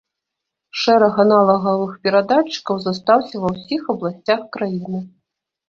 Шэраг аналагавых перадатчыкаў застаўся ва ўсіх абласцях краіны.